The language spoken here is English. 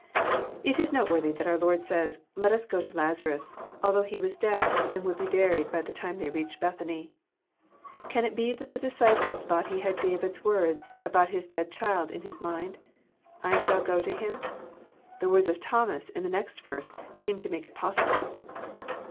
It is noteworthy that our Lord says, <'let us go to Lazarus,*' though he was dead, and Would be burled by the time they reached Bethany. Can it be that the disciples thought He had David's words about his dead child in His mind, '< I shall go to him *'? The words of Thomas, in the next verse, seem to make it possible.